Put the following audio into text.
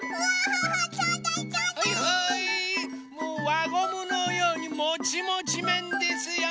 わゴムのようにもちもちめんですよ！